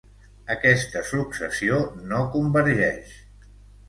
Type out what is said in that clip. Aquesta successió no convergeix.